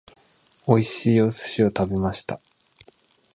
美味しいお寿司を食べました。